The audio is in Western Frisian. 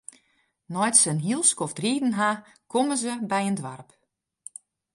Nei't se in hiel skoft riden ha, komme se by in doarp.